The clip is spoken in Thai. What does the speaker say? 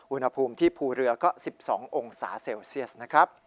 อุณหภูมิที่ภูเรือก็๑๒องศาเซลเซียสนะครับ